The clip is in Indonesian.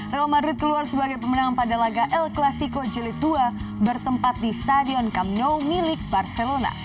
real madrid keluar sebagai pemenang pada laga el clasico jelit dua bertempat di stadion kamno milik barcelona